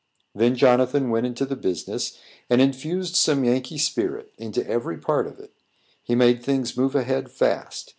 Then Jonathan went into the business, and infused some Yankee spirit: into every part of it; he made things move ahead fast.